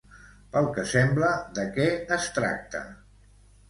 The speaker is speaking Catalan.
Pel que sembla, de què es tracta?